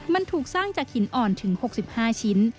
มันถูกสร้างจากหินอ่อนถึง๖๕ชิ้น